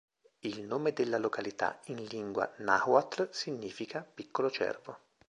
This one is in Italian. Il nome della località in lingua nahuatl significa "piccolo cervo".